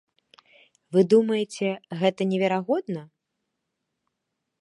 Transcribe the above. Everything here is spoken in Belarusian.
Вы думаеце, гэта неверагодна?